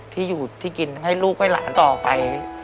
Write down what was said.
ที่อยู่ที่กินให้ลูกให้หลานต่อไป